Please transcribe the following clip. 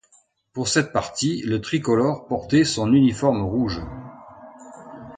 Pour cette partie, le Tricolore portait son uniforme rouge.